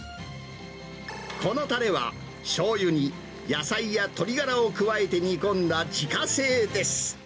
このたれは、しょうゆに野菜や鶏ガラを加えて煮込んだ自家製です。